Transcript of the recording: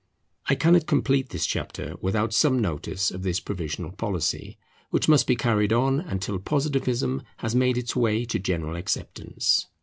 I cannot complete this chapter without some notice of this provisional policy, which must be carried on until Positivism has made its way to general acceptance.